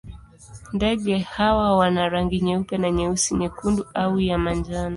Ndege hawa wana rangi nyeupe na nyeusi, nyekundu au ya manjano.